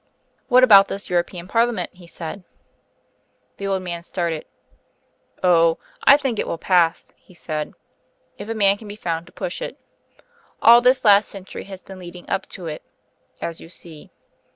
"What about this European parliament?" he said. The old man started. "Oh!... I think it will pass," he said, "if a man can be found to push it. All this last century has been leading up to it, as you see.